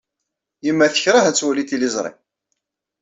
Yemma tekṛeh ad twali tiliẓri.